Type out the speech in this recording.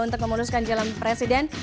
untuk memuruskan jalan presiden